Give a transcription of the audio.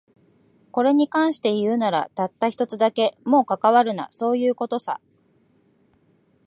これに関して言うなら、たった一つだけ。もう関わるな、そういう事さ。